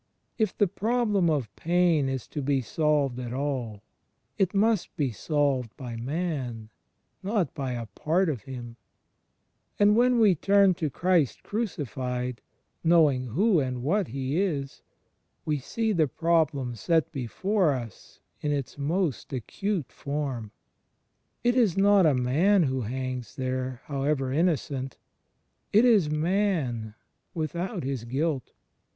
If the Problem of Pain is to be solved at all, it must be solved by man, not by a part of him. And when we turn to Christ crucified, knowing who and what He is, we see the problem set before us in its most acute form. It is not a man who hangs there, however innocent; it is Man without his guilt.